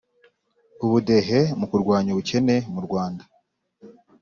ubudehe mu kurwanya ubukene mu rwanda